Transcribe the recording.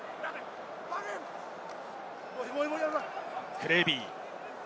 クレービー。